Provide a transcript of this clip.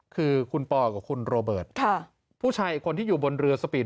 คือคุณปอร์กับคุณโรเบิธค่ะผู้ชายคนที่อยู่บนเรือ